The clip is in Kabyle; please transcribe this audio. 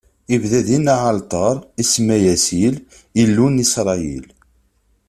Ibna dinna aɛalṭar, isemma-as Il, Illu n Isṛayil.